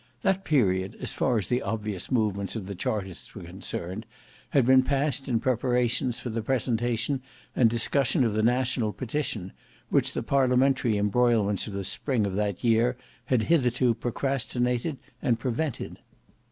That period, as far as the obvious movements of the chartists were concerned, had been passed in preparations for the presentation and discussion of the National Petition, which the parliamentary embroilments of the spring of that year had hitherto procrastinated and prevented.